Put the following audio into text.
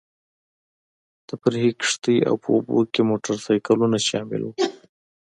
تفریحي کښتۍ او په اوبو کې موټرسایکلونه شامل وو.